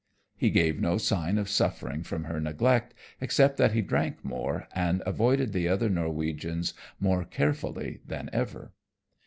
He gave no sign of suffering from her neglect except that he drank more and avoided the other Norwegians more carefully than ever.